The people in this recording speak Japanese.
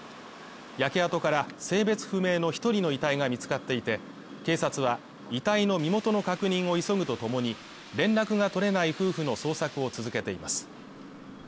焼け跡から性別不明の１人の遺体が見つかっていて、警察は遺体の身元の確認を急ぐとともに、連絡が取れない夫婦の捜索を続けています。